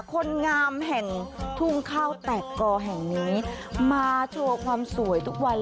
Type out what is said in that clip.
คนงามแห่งทุ่งข้าวแตกกอแห่งนี้มาโชว์ความสวยทุกวัน